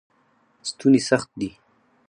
ستوني سخت دی.